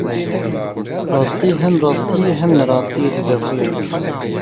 Rastî hem rastiyê hem nerastiyê dide xuyakirin.